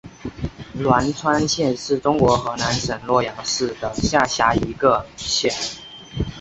栾川县是中国河南省洛阳市的下辖一个县。